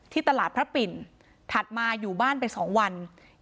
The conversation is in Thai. ตลาดพระปิ่นถัดมาอยู่บ้านไป๒วัน